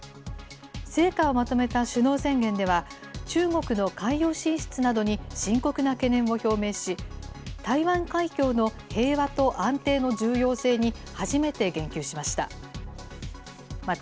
成果をまとめた首脳宣言では、中国の海洋進出などに深刻な懸念を表明し、台湾海峡の平和と安定の重要性に初めて言及しました。